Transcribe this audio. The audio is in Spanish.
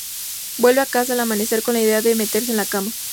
Vuelve a casa al amanecer con la idea de meterse en la cama.